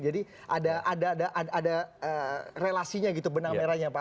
ada relasinya gitu benang merahnya pak